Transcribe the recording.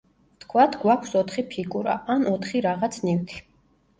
ვთქვათ, გვაქვს ოთხი ფიგურა, ან ოთხი რაღაც ნივთი.